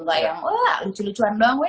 gak yang wah lucu lucuan doang ya